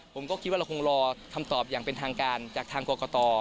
ผมก็คิดว่าเราคงรอคำตอบอย่างเป็นทางการจากทางกรกต